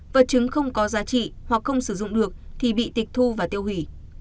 vật chứng không có giá trị hoặc không sử dụng được thì bị tịch thu và tiêu hủy